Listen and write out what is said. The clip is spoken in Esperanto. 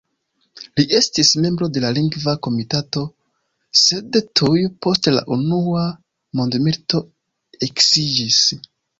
Li estis membro de la Lingva Komitato, sed tuj post la unua mondmilito eksiĝis.